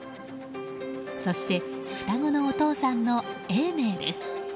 そして、双子のお父さんの永明です。